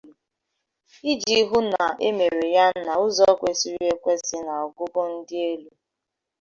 iji hụ na e mere ya n'ụzọ kwesiri ekwesi na n'ogoogo dị elu.